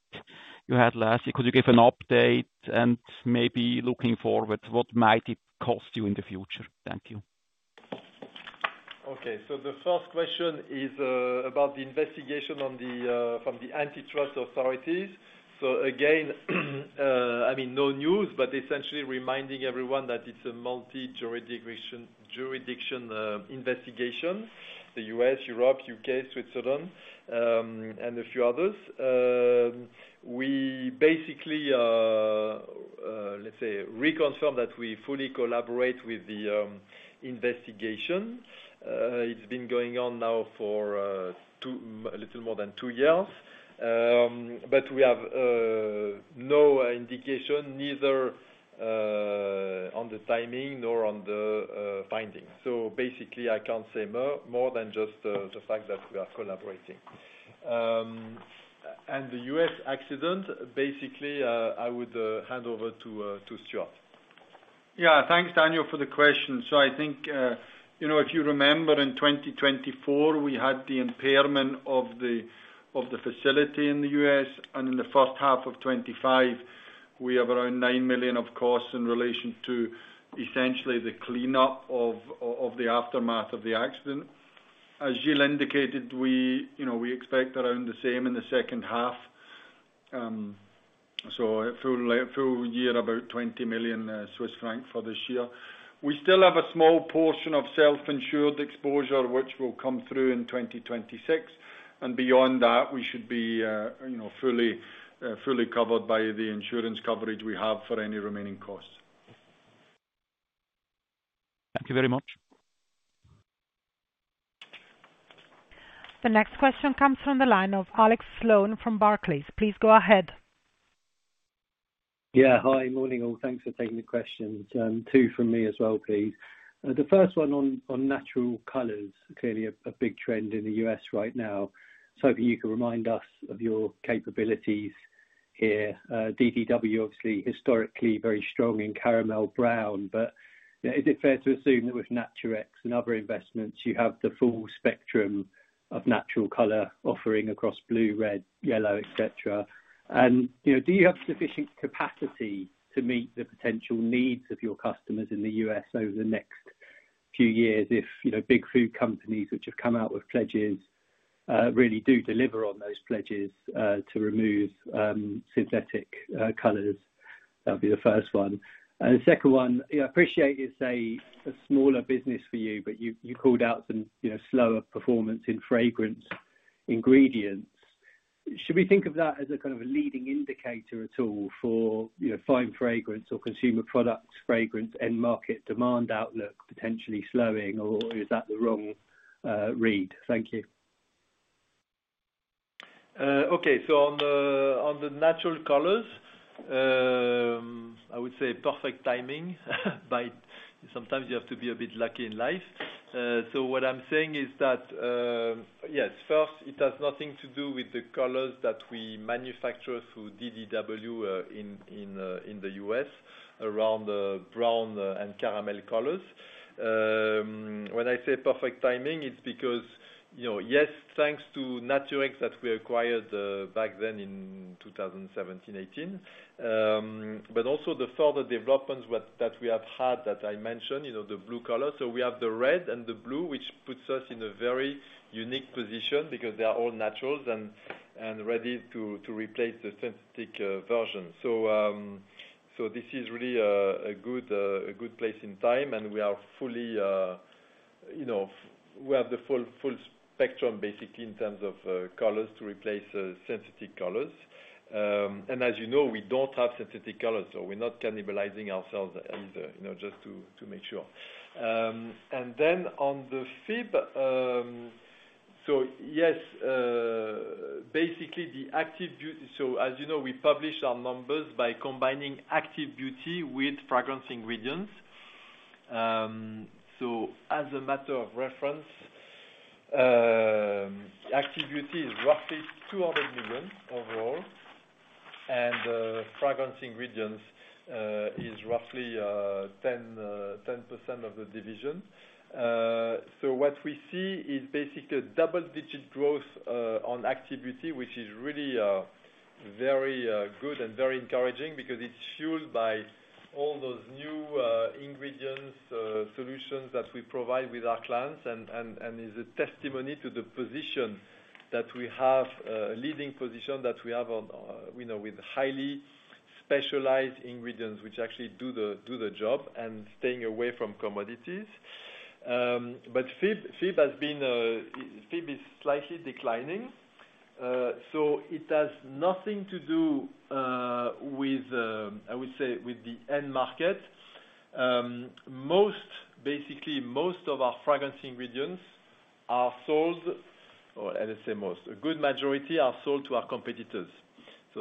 you had last year. Could you give an update and maybe looking forward, what might it cost you in the future? Thank you. Okay. The first question is about the investigation from the antitrust authorities. Again, I mean, no news, but essentially reminding everyone that it is a multi-jurisdiction investigation, the U.S., Europe, U.K., Switzerland, and a few others. We basically, let's say, reconfirm that we fully collaborate with the investigation. It has been going on now for a little more than two years. We have no indication, neither on the timing nor on the findings. Basically, I cannot say more than just the fact that we are collaborating. The U.S. accident, basically, I would hand over to Stewart. Yeah, thanks, Daniel, for the question. I think if you remember, in 2024, we had the impairment of the facility in the U.S. In the first half of 2025, we have around 9 million, of course, in relation to essentially the cleanup of the aftermath of the accident. As Gilles indicated, we expect around the same in the second half. So a full year, about 20 million Swiss franc for this year. We still have a small portion of self-insured exposure, which will come through in 2026. Beyond that, we should be fully covered by the insurance coverage we have for any remaining costs. Thank you very much. The next question comes from the line of Alex Sloane from Barclays. Please go ahead. Yeah, hi. Morning, all. Thanks for taking the questions. Two from me as well, please. The first one on natural colors, clearly a big trend in the U.S. right now. If you could remind us of your capabilities here. DDW, obviously, historically very strong in caramel brown. Is it fair to assume that with Naturex and other investments, you have the full spectrum of natural color offering across blue, red, yellow, etc.? Do you have sufficient capacity to meet the potential needs of your customers in the U.S. over the next few years if big food companies which have come out with pledges really do deliver on those pledges to remove synthetic colors? That would be the first one. The second one, I appreciate it's a smaller business for you, but you called out some slower performance in fragrance ingredients. Should we think of that as a kind of a leading indicator at all for fine fragrance or consumer product fragrance and market demand outlook potentially slowing, or is that the wrong read? Thank you. Okay. On the natural colors, I would say perfect timing. Sometimes you have to be a bit lucky in life. What I'm saying is that, yes, first, it has nothing to do with the colors that we manufacture through DDW in the U.S., around brown and caramel colors. When I say perfect timing, it's because, yes, thanks to Naturex that we acquired back then in 2017, 2018, but also the further developments that we have had that I mentioned, the blue color. We have the red and the blue, which puts us in a very unique position because they are all naturals and ready to replace the synthetic version. This is really a good place in time, and we are fully—we have the full spectrum, basically, in terms of colors to replace synthetic colors. As you know, we do not have synthetic colors, so we're not cannibalizing ourselves either, just to make sure. On the FIB, yes, basically, the active beauty—so as you know, we publish our numbers by combining active beauty with fragrance ingredients. As a matter of reference, active beauty is roughly $200 million overall, and fragrance ingredients is roughly 10% of the division. What we see is basically a double-digit growth on active beauty, which is really very good and very encouraging because it's fueled by all those new ingredient solutions that we provide with our clients and is a testimony to the position that we have, a leading position that we have with highly specialized ingredients which actually do the job and staying away from commodities. FIB is slightly declining. It has nothing to do with, I would say, with the end market. Basically, most of our fragrance ingredients are sold—or let me say most, a good majority—are sold to our competitors.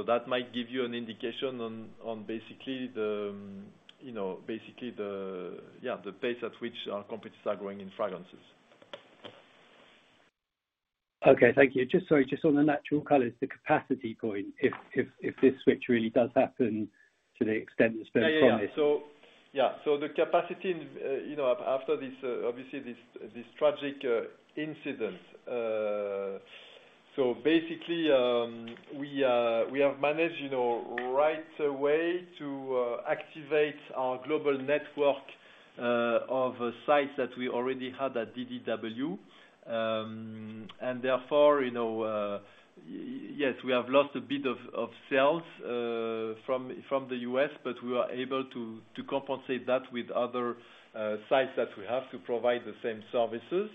That might give you an indication on basically the pace at which our competitors are growing in fragrances. Thank you. Sorry, just on the natural colors, the capacity point, if this switch really does happen to the extent that's been promised. The capacity after this, obviously, this tragic incident—basically, we have managed right away to activate our global network of sites that we already had at DDW, and therefore. Yes, we have lost a bit of sales from the U.S., but we were able to compensate that with other sites that we have to provide the same services.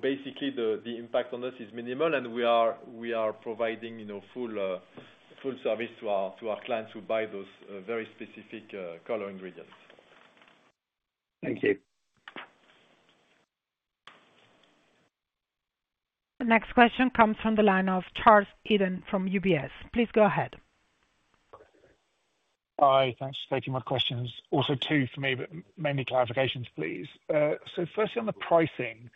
Basically, the impact on us is minimal, and we are providing full service to our clients who buy those very specific color ingredients. Thank you. The next question comes from the line of Charles Eden from UBS. Please go ahead. Hi. Thanks for taking my questions. Also two for me, but mainly clarifications, please. Firstly, on the pricing.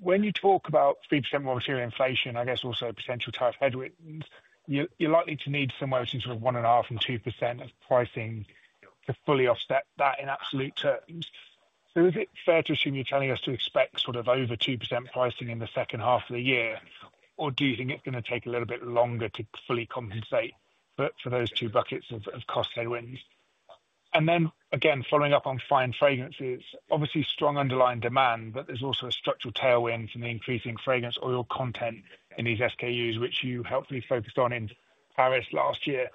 When you talk about 3% more material inflation, I guess also potential tariff headwinds, you're likely to need somewhere between sort of 1.5%-2% of pricing to fully offset that in absolute terms. Is it fair to assume you're telling us to expect sort of over 2% pricing in the second half of the year, or do you think it's going to take a little bit longer to fully compensate for those two buckets of cost headwinds? Then, again, following up on fine fragrances, obviously, strong underlying demand, but there's also a structural tailwind from the increasing fragrance oil content in these SKUs, which you helpfully focused on in Paris last year.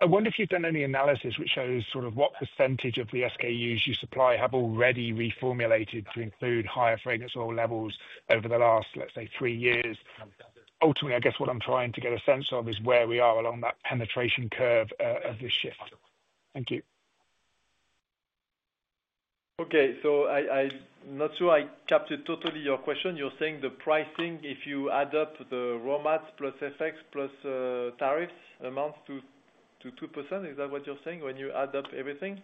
I wonder if you've done any analysis which shows sort of what percentage of the SKUs you supply have already reformulated to include higher fragrance oil levels over the last, let's say, three years. Ultimately, I guess what I'm trying to get a sense of is where we are along that penetration curve of this shift. Thank you. Okay. I'm not sure I captured totally your question. You're saying the pricing, if you add up the raw mats plus FX plus tariffs amounts to 2%, is that what you're saying when you add up everything?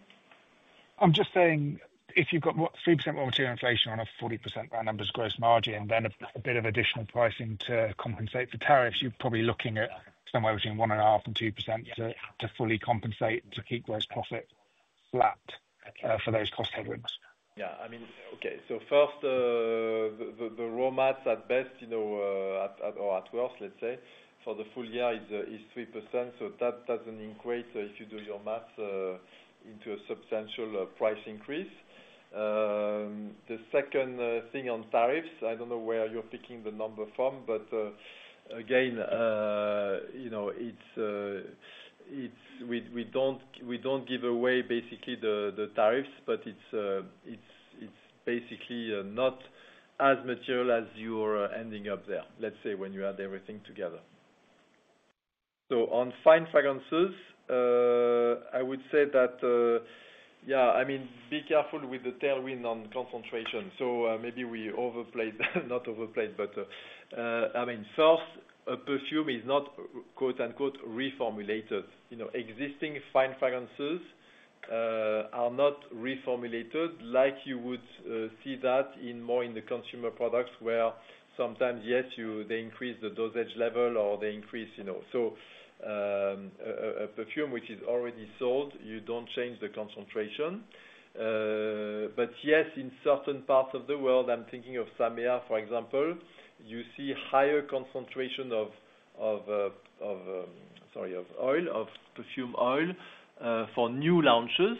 I'm just saying if you've got 3% raw material inflation on a 40% round numbers gross margin, then a bit of additional pricing to compensate for tariffs, you're probably looking at somewhere between 1.5%-2% to fully compensate to keep those profits flat for those cost headwinds. Yeah. I mean, okay. First, the raw mats at best or at worst, let's say, for the full year is 3%. That doesn't equate, if you do your maths, into a substantial price increase. The second thing on tariffs, I don't know where you're picking the number from, but again, we don't give away basically the tariffs, but it's basically not as material as you're ending up there, let's say, when you add everything together. On fine fragrances, I would say that, yeah, I mean, be careful with the tailwind on concentration. Maybe we overplayed, not overplayed, but I mean, first, a perfume is not "reformulated." Existing fine fragrances are not reformulated like you would see that more in the consumer products where sometimes, yes, they increase the dosage level or they increase. A perfume which is already sold, you don't change the concentration. But yes, in certain parts of the world, I'm thinking of SAMEA, for example, you see higher concentration of, sorry, of oil, of perfume oil for new launches.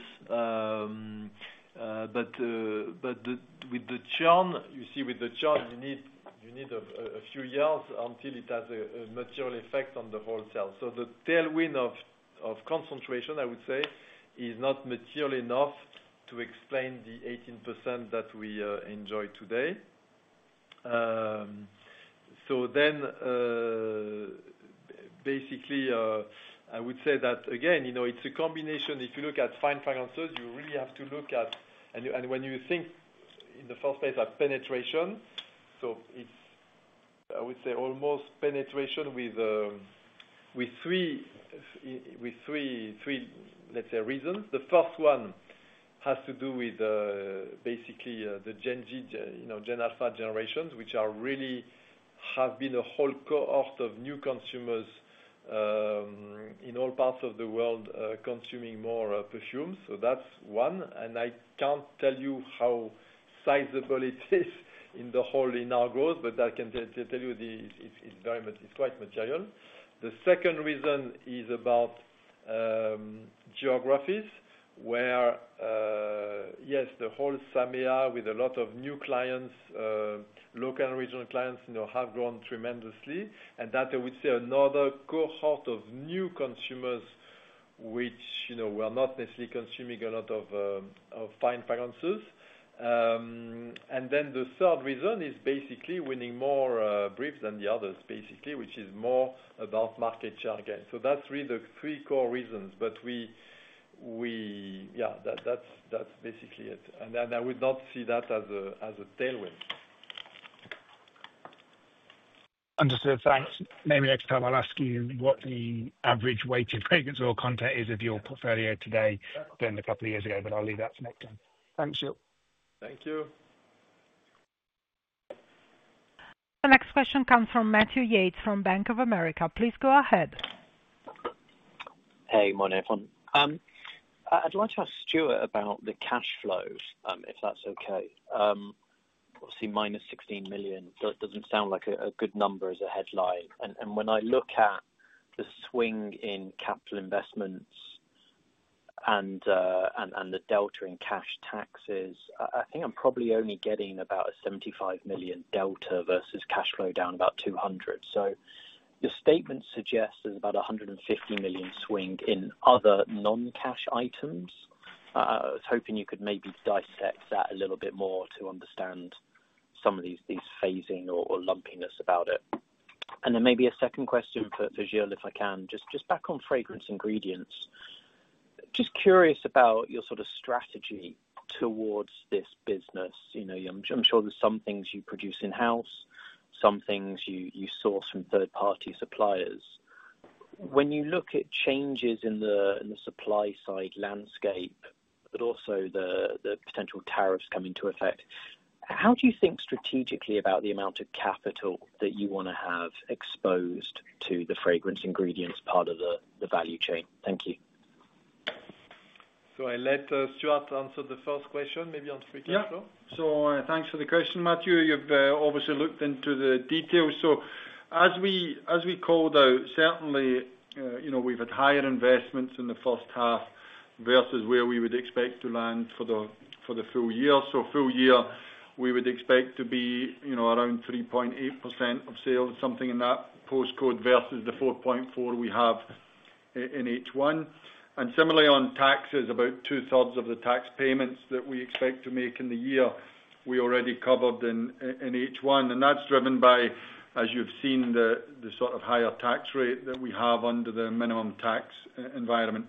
With the churn, you need a few years until it has a material effect on the whole sale. The tailwind of concentration, I would say, is not material enough to explain the 18% that we enjoy today. Basically, I would say that, again, it's a combination. If you look at fine fragrances, you really have to look at, and when you think in the first place of penetration, so it's, I would say, almost penetration with three, let's say, reasons. The first one has to do with basically the Gen Alpha generations, which really have been a whole cohort of new consumers in all parts of the world consuming more perfumes. That's one. I can't tell you how sizable it is in the whole in our growth, but I can tell you it's quite material. The second reason is about geographies where, yes, the whole SAMEA with a lot of new clients, local and regional clients, have grown tremendously. That, I would say, another cohort of new consumers, which were not necessarily consuming a lot of fine fragrances. The third reason is basically winning more briefs than the others, basically, which is more about market share again. That's really the three core reasons. Yeah, that's basically it. I would not see that as a tailwind. Understood. Thanks. Maybe next time I'll ask you what the average weighted fragrance oil content is of your portfolio today than a couple of years ago, but I'll leave that for next time. Thanks, Gill. Thank you. The next question comes from Matthew Yates from Bank of America. Please go ahead. Hey, morning, everyone. I'd like to ask Stewart about the cash flows, if that's okay. Obviously, minus 16 million, it doesn't sound like a good number as a headline. When I look at the swing in capital investments and the delta in cash taxes, I think I'm probably only getting about a 75 million delta versus cash flow down about 200 million. The statement suggests there's about a 150 million swing in other non-cash items. I was hoping you could maybe dissect that a little bit more to understand some of these phasing or lumpiness about it. Then maybe a second question for Gill, if I can, just back on fragrance ingredients. Just curious about your sort of strategy towards this business. I'm sure there's some things you produce in-house, some things you source from third-party suppliers. When you look at changes in the supply-side landscape, but also the potential tariffs coming to effect, how do you think strategically about the amount of capital that you want to have exposed to the fragrance ingredients part of the value chain? Thank you. I let Stewart answer the first question, maybe on three questions. Yeah. Thanks for the question, Matthew. You've obviously looked into the details. As we called out, certainly, we've had higher investments in the first half versus where we would expect to land for the full year. For the full year, we would expect to be around 3.8% of sales, something in that postcode, versus the 4.4% we have in H1. Similarly, on taxes, about 2/3 of the tax payments that we expect to make in the year, we already covered in H1. That's driven by, as you've seen, the sort of higher tax rate that we have under the minimum tax environment.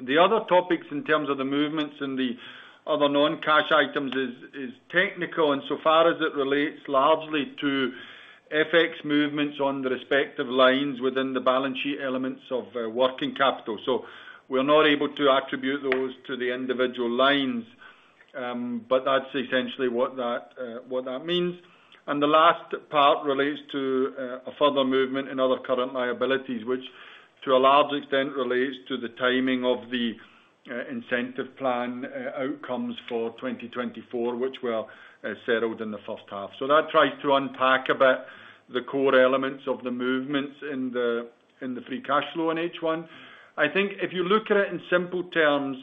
The other topics in terms of the movements and the other non-cash items is technical insofar as it relates largely to FX movements on the respective lines within the balance sheet elements of working capital. We're not able to attribute those to the individual lines, but that's essentially what that means. The last part relates to a further movement in other current liabilities, which to a large extent relates to the timing of the incentive plan outcomes for 2024, which were settled in the first half. That tries to unpack a bit the core elements of the movements in the free cash flow in H1. I think if you look at it in simple terms,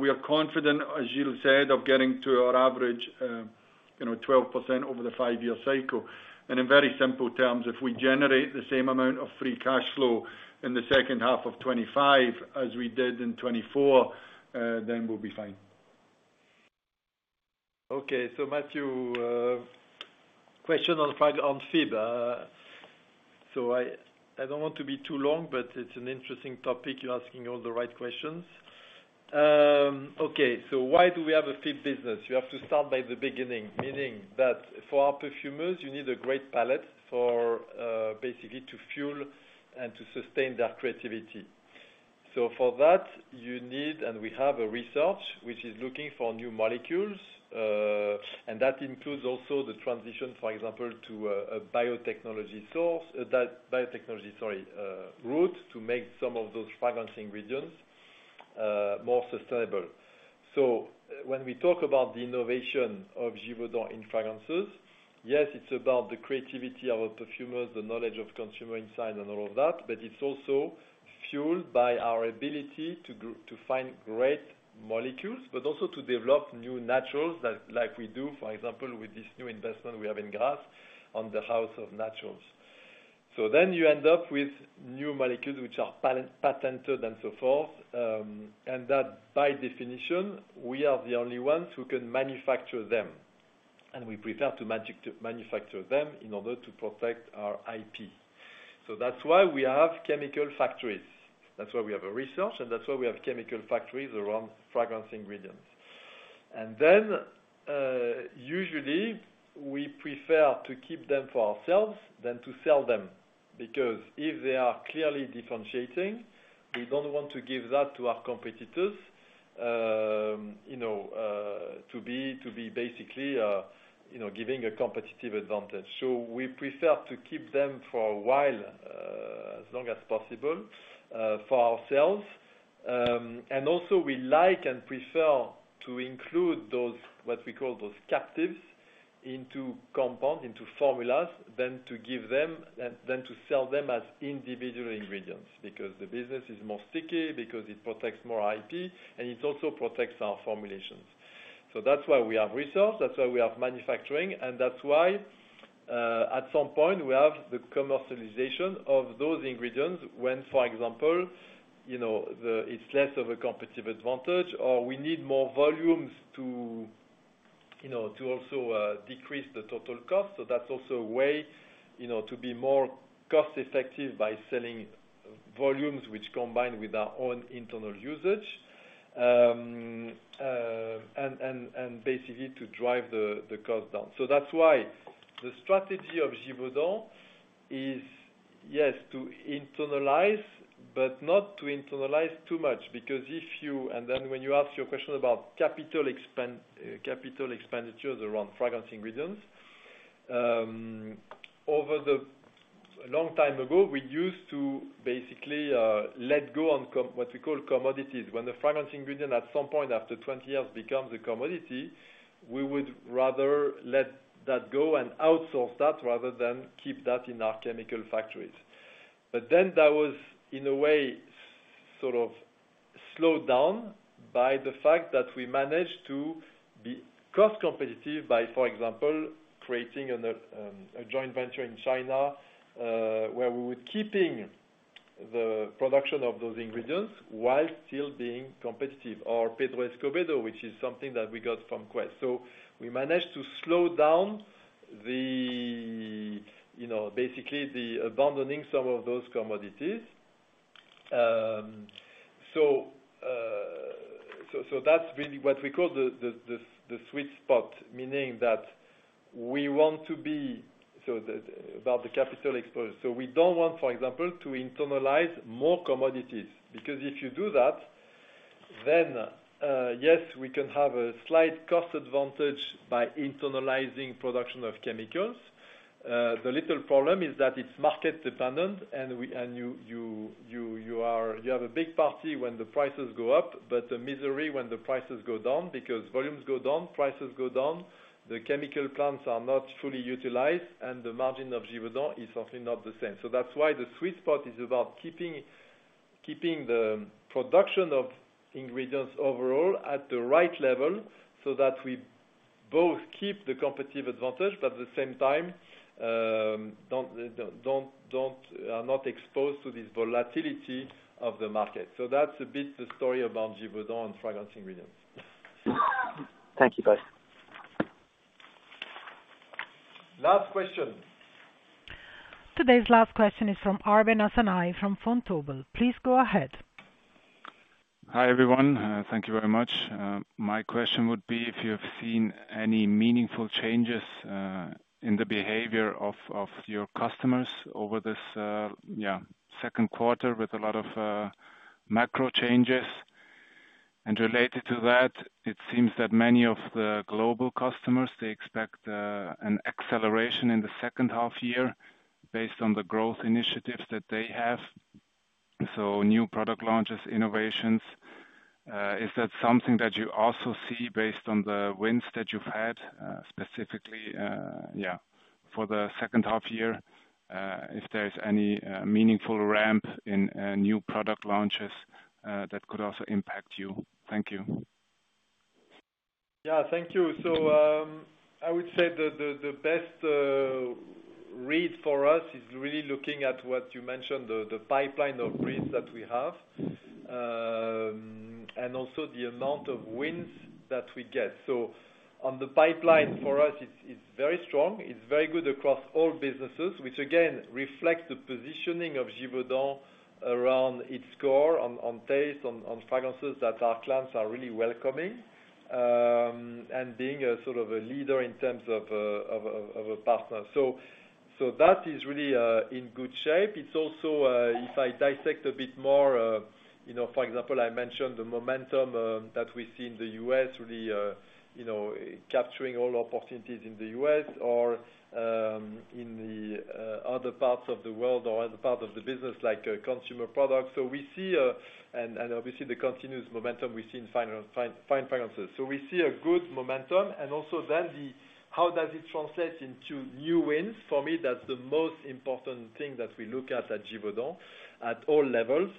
we are confident, as Gilles said, of getting to our average 12% over the five-year cycle. In very simple terms, if we generate the same amount of free cash flow in the second half of 2025 as we did in 2024, then we'll be fine. Okay. Matthew, question on FIB. I don't want to be too long, but it's an interesting topic. You're asking all the right questions. Why do we have a FIB business? You have to start by the beginning, meaning that for our perfumers, you need a great palette basically to fuel and to sustain their creativity. For that, you need, and we have, a research which is looking for new molecules. That includes also the transition, for example, to a biotechnology source, biotechnology, sorry, route to make some of those fragrance ingredients more sustainable. When we talk about the innovation of Givaudan in fragrances, yes, it's about the creativity of our perfumers, the knowledge of consumer insight, and all of that, but it's also fueled by our ability to find great molecules, but also to develop new naturals like we do, for example, with this new investment we have in Grasse on the house of naturals. Then you end up with new molecules which are patented and so forth. By definition, we are the only ones who can manufacture them, and we prefer to manufacture them in order to protect our IP. That's why we have chemical factories. That's why we have research, and that's why we have chemical factories around fragrance ingredients. Usually, we prefer to keep them for ourselves than to sell them because if they are clearly differentiating, we don't want to give that to our competitors, to be basically giving a competitive advantage. We prefer to keep them for a while, as long as possible, for ourselves. Also, we like and prefer to include what we call those captives into compounds, into formulas, than to give them, than to sell them as individual ingredients because the business is more sticky, because it protects more IP, and it also protects our formulations. That's why we have research. That's why we have manufacturing. At some point, we have the commercialization of those ingredients when, for example, it's less of a competitive advantage or we need more volumes to also decrease the total cost. That's also a way to be more cost-effective by selling volumes which combine with our own internal usage, and basically to drive the cost down. That's why the strategy of Givaudan is, yes, to internalize, but not to internalize too much because if you—and then when you ask your question about capital expenditures around fragrance ingredients. Over the long time ago, we used to basically let go on what we call commodities. When the fragrance ingredient, at some point after 20 years, becomes a commodity, we would rather let that go and outsource that rather than keep that in our chemical factories. That was, in a way, sort of slowed down by the fact that we managed to be cost-competitive by, for example, creating a joint venture in China, where we were keeping the production of those ingredients while still being competitive, or Pedro Escobedo, which is something that we got from Quest. We managed to slow down basically the abandoning some of those commodities. That's really what we call the sweet spot, meaning that we want to be—so about the capital exposure. We don't want, for example, to internalize more commodities because if you do that, yes, we can have a slight cost advantage by internalizing production of chemicals. The little problem is that it's market-dependent, and you have a big party when the prices go up, but a misery when the prices go down because volumes go down, prices go down, the chemical plants are not fully utilized, and the margin of Givaudan is certainly not the same. That's why the sweet spot is about keeping the production of ingredients overall at the right level so that we both keep the competitive advantage, but at the same time are not exposed to this volatility of the market. That's a bit the story about Givaudan and fragrance ingredients. Thank you both. Last question. Today's last question is from Arben Hasanaj from Vontobel. Please go ahead. Hi, everyone. Thank you very much. My question would be if you have seen any meaningful changes in the behavior of your customers over this, yeah, second quarter with a lot of macro changes. And related to that, it seems that many of the global customers, they expect an acceleration in the second half year based on the growth initiatives that they have. So new product launches, innovations. Is that something that you also see based on the wins that you've had, specifically, yeah, for the second half year, if there's any meaningful ramp in new product launches that could also impact you? Thank you. Yeah, thank you. I would say the best read for us is really looking at what you mentioned, the pipeline of briefs that we have. And also the amount of wins that we get. On the pipeline for us, it's very strong. It's very good across all businesses, which, again, reflects the positioning of Givaudan around its core on taste, on fragrances that our clients are really welcoming. And being sort of a leader in terms of a partner. That is really in good shape. It's also, if I dissect a bit more, for example, I mentioned the momentum that we see in the U.S., really capturing all opportunities in the U.S. or in the other parts of the world or other parts of the business like consumer products. We see, and obviously the continuous momentum we see in fine fragrances. We see a good momentum. And also then how does it translate into new wins? For me, that's the most important thing that we look at at Givaudan at all levels.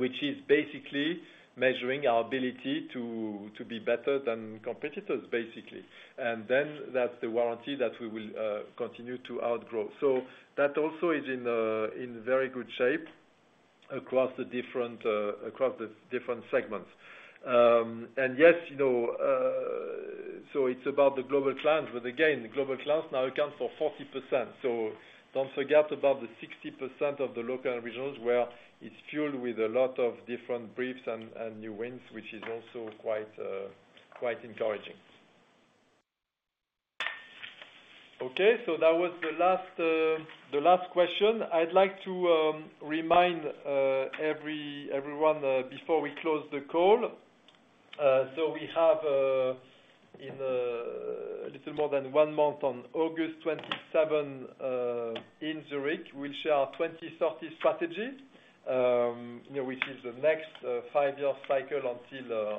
Which is basically measuring our ability to be better than competitors, basically. That's the warranty that we will continue to outgrow. That also is in very good shape across the different segments. Yes. It's about the global clients, but again, global clients now account for 40%. Don't forget about the 60% of the local regions where it's fueled with a lot of different briefs and new wins, which is also quite encouraging. Okay. That was the last question. I'd like to remind everyone before we close the call. We have in a little more than one month on August 27 in Zurich, we'll share our 2030 strategy, which is the next five-year cycle until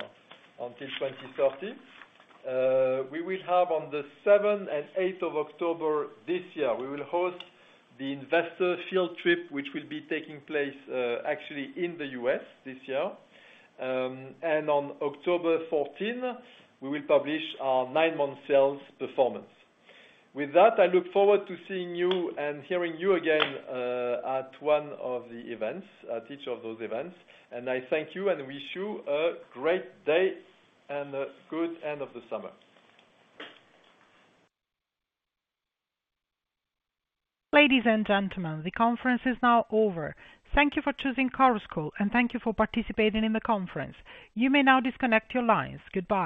2030. We will have on the 7th and 8th of October this year, we will host the investor field trip, which will be taking place actually in the U.S. this year. On October 14, we will publish our nine-month sales performance. With that, I look forward to seeing you and hearing you again at one of the events, at each of those events. I thank you and wish you a great day and a good end of the summer. Ladies and gentlemen, the conference is now over. Thank you for choosing Chorus Call, and thank you for participating in the conference. You may now disconnect your lines. Goodbye.